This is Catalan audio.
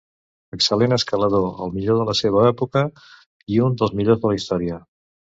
Excel·lent escalador, el millor de la seva època i un dels millors de la història.